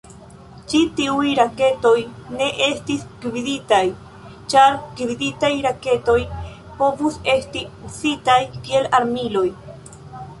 Ĉi tiuj raketoj ne estis gviditaj, ĉar gviditaj raketoj povus esti uzitaj kiel armiloj.